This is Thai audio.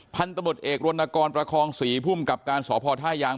พันธุ์ตมุทรเอกรณกรประคองศรีพุ่มกับการศพท่ายาง